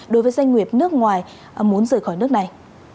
đối với doanh nghiệp nước ngoài muốn rời khỏi nước này